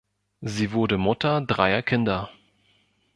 Sie wurde Mutter dreier Kinder.